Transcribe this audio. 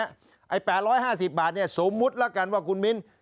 ๘๕๐บาทเนี่ยสมมุติแล้วกันว่าคุณมิ้น